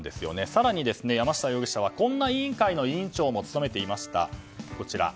更に、山下容疑者はこんな委員会の委員長も務めていました。